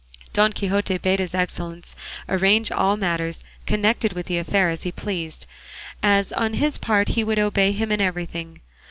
Don Quixote bade his excellence arrange all matters connected with the affair as he pleased, as on his part he would obey him in everything.